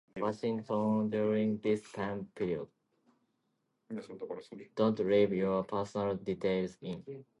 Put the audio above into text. Boys went about from house to house begging for wood and straw.